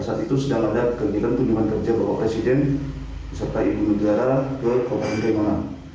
saat itu sedang ada kegiatan kunjungan kerja bapak presiden serta ibu negara ke kabupaten pangan